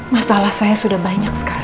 masalah saya sudah banyak sekali